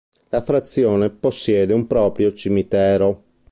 La frazione possiede un proprio cimitero.